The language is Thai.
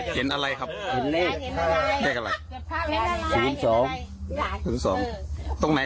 จุดที่เห็นเออนั่นไงสังเกต